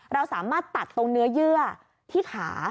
เราสามารถตัดตรงเนื้อเยื่อที่ขา